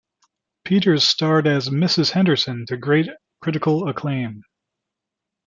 Peters starred as Mrs Henderson, to great critical acclaim.